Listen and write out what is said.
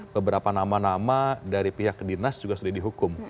beberapa nama nama dari pihak dinas juga sudah dihukum